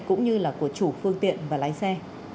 cũng như là của chủ phương tiện và lái xe